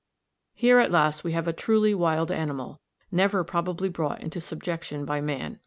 Here at last we have a truly wild animal, never probably brought into subjection by man.